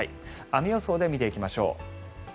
雨予想で見ていきましょう。